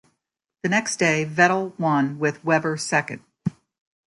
The next day, Vettel won, with Webber second.